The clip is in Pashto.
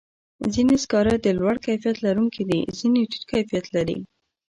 ځینې سکاره د لوړ کیفیت لرونکي وي، ځینې ټیټ کیفیت لري.